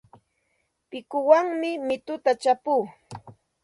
Pikuwanmi mituta chapuu.